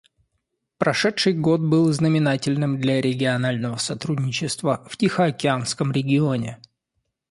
Прошедший год был знаменательным для регионального сотрудничества в Тихоокеанском регионе.